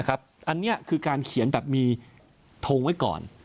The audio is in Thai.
อันนี้คือการเขียนแบบมีทงไว้ก่อน